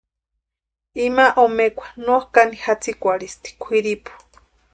Ima omekwa no kani jatsïkwarhisti kwʼiripu.